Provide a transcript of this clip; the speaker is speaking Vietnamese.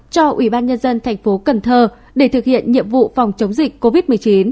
cho ủy ban nhân dân thành phố cần thơ để thực hiện nhiệm vụ phòng chống dịch covid một mươi chín